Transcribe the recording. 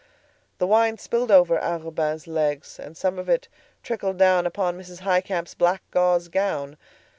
The wine spilled over Arobin's legs and some of it trickled down upon Mrs. Highcamp's black gauze gown.